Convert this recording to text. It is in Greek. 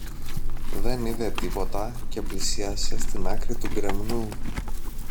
δεν είδε τίποτα και πλησίασε στην άκρη του γκρεμνού.